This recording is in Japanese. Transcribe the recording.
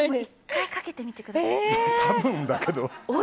１回、かけてみてください。